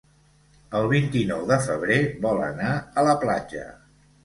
El vint-i-nou de febrer vol anar a la platja.